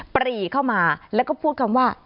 ปรีเข้ามาแล้วก็พูดคำว่า